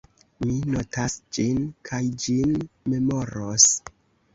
Mi notas ĝin, kaj ĝin memoros.